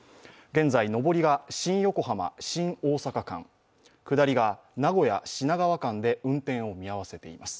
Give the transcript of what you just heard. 現在、上りが新横浜−新大阪間下りが名古屋−品川間で運転を見合わせています。